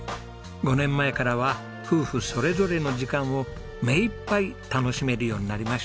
５年前からは夫婦それぞれの時間をめいっぱい楽しめるようになりました。